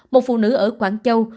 một phụ nữ ở quảng châu